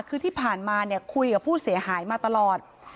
คือที่ผ่านมาเนี่ยคุยกับผู้เสียหายมาตลอด